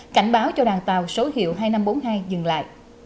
cảnh báo cho đoàn tàu số hiệu hai nghìn năm trăm bốn mươi hai dừng lại